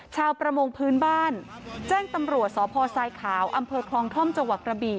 ชาวประมงพื้นบ้านแจ้งตำรวจสพทรายขาวอำเภอคลองท่อมจังหวัดกระบี่